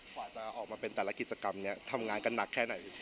ขวาจะออกมาเป็นแต่ละกิจกรรมทำงานก็หนักแค่ไหน